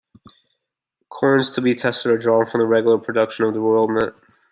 Coins to be tested are drawn from the regular production of The Royal Mint.